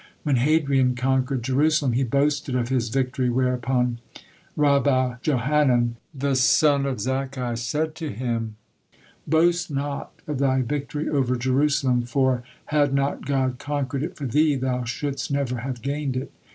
When Hadrian conquered Jerusalem, he boasted of his victory, whereupon Rabba Johanan, the son of Zakkai, said to hi: "Boast not of thy victory over Jerusalem, for, had not God conquered it for thee, thou shouldst never have gained it."